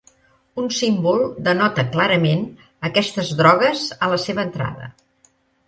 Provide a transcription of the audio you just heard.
Un símbol denota clarament aquestes drogues a la seva entrada.